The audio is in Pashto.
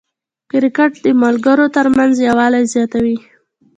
کرکټ د ملګرو ترمنځ یووالی زیاتوي.